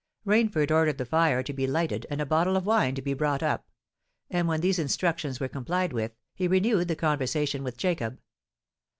Rainford ordered the fire to be lighted and a bottle of wine to be brought up; and when these instructions were complied with, he renewed the conversation with Jacob.